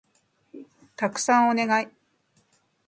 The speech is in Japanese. たくさんお願い